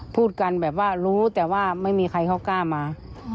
พูดกันแบบว่ารู้แต่ว่าไม่มีใครเขากล้ามา